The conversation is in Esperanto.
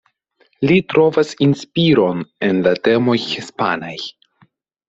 Li trovas inspiron en la temoj hispanaj.